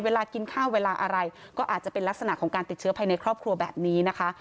เวลากินข้าวเวลาอะไรก็อาจจะเป็นลักษณะของการติดเชื้อภายในครอบครัวแบบนี้นะคะ